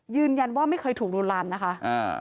ยืนยันว่าไม่เคยถูกรุนรันนะคะ